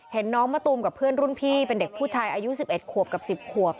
น้องมะตูมกับเพื่อนรุ่นพี่เป็นเด็กผู้ชายอายุ๑๑ขวบกับ๑๐ขวบ